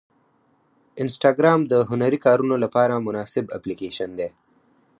انسټاګرام د هنري کارونو لپاره مناسب اپلیکیشن دی.